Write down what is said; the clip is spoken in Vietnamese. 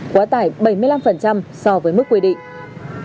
quá tải bảy mươi năm so với mức quy định